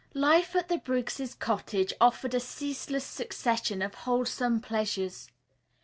Life at the Briggs' cottage offered a ceaseless succession of wholesome pleasures.